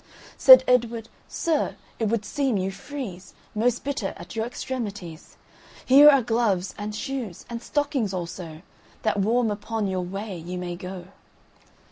Said Edward, "Sir, it would seem you freezeMost bitter at your extremities. Here are gloves and shoes and stockings also, That warm upon your way you may go."